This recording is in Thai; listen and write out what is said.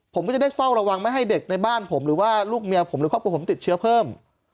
ผมก็จะได้เฝ้าระวังไม่ให้เด็กในบ้านผมหรือว่าลูกเมียผมหรือครอบครัวผมติดเชื้อเพิ่ม